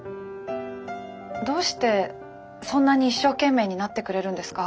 どうしてそんなに一生懸命になってくれるんですか？